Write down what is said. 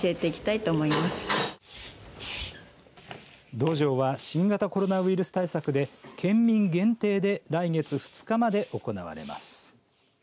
道場は新型コロナウイルス対策で県民限定で来月２日まで行われます。